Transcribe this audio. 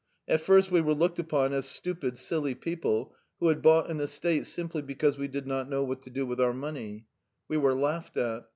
At first we were looked upon as foolish, soft headed people who had bought the estate because we did not know what to do with our money. We were laughed at.